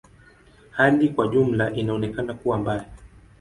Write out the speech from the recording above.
Hali kwa ujumla inaonekana kuwa mbaya.